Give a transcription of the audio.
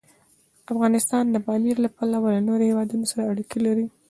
افغانستان د پامیر له پلوه له نورو هېوادونو سره اړیکې لري.